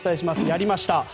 やりました！